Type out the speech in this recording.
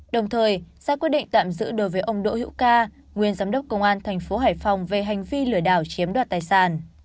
đồng thời ra quyết định tạm giữ đối với ông đỗ hữu ca nguyên giám đốc công an thành phố hải phòng về hành vi lừa đảo chiếm đoạt tài sản